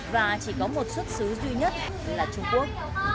và chỉ có một xuất xứ duy nhất là trung quốc